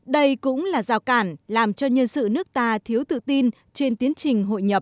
đây cũng là rào cản làm cho nhân sự nước ta thiếu tự tin trên tiến trình hội nhập